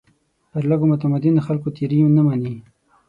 پر لږ متمدنو خلکو تېري نه مني.